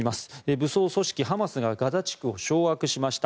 武装組織ハマスがガザ地区を掌握しました。